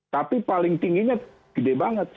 tapi paling tingginya gede banget